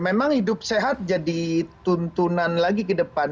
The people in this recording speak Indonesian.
memang hidup sehat jadi tuntunan lagi ke depan